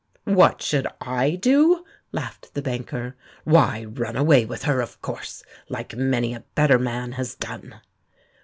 "What should I do?" laughed the banker, "why, run away with her, of course, like many a better man has done!"